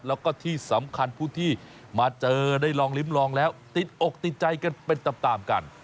แล้วก็ที่สำคัญผู้ที่มาเจอได้ลองลิ้มลองแล้วติดอกติดใจกันเป็นตามกัน